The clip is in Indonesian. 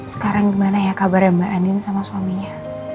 sekarang gimana ya kabarnya mbak anin sama suaminya